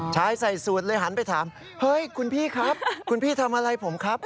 ชายใส่สูตรเลยหันไปถามเฮ้ยคุณพี่ครับคุณพี่ทำอะไรผมครับ